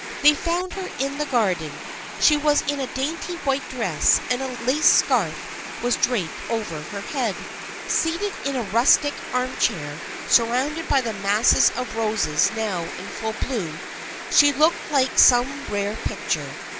They found her in the garden. She was in a dainty white dress, and a lace scarf was draped over her head. Seated in a rustic arm chair, surrounded by the masses of roses now in full bloom, she looked like some rare picture.